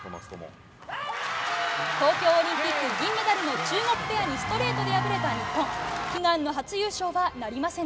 東京オリンピック銀メダルの中国ペアにストレートで敗れた日本。